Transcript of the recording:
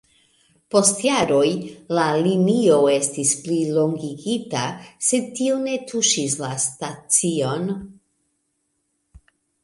Post jaroj la linio estis plilongigita, sed tio ne tuŝis la stacion.